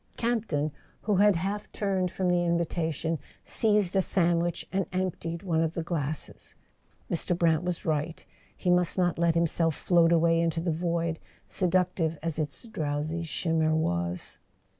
Campton, who had half turned from the invitation, seized a sandwich and emptied one of the glasses. Mr. Brant was right; he must not let himself float away into the void, seductive as its drowsy shimmer was.